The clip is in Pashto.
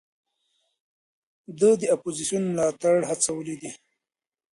ده د اپوزېسیون ملاتړ هڅولی دی.